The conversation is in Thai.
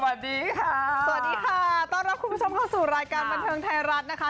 สวัสดีค่ะต้องรับคุณผู้ชมเข้าสู่รายการบรรเทิงไทยรัฐนะคะ